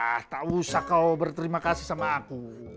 ah tak usah kau berterima kasih sama aku